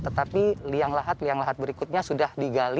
tetapi liang lahat liang lahat berikutnya sudah digali